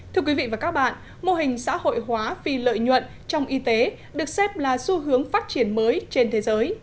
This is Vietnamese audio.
thưa quý vị và các bạn mô hình xã hội hóa phi lợi nhuận trong y tế được xem là xu hướng phát triển mới trên thế giới